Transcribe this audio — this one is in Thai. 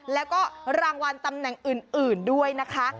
แล้วก็รางวัลตำแหน่งอื่นด้วยนะคะ